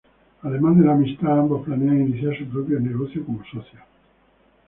Además de la amistad, ambos planean iniciar su propio negocio como socios.